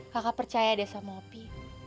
kakak percaya deh sama opi